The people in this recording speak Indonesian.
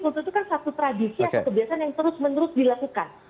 kultur itu kan satu tradisi atau kebiasaan yang terus menerus dilakukan